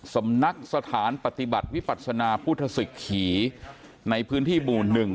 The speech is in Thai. สำนักสถานปฏิบัติวิปัศนาพุทธศิกขีในพื้นที่หมู่๑